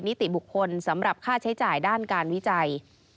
นิติบุคคลสำหรับค่าใช้จ่ายด้านการวิจัย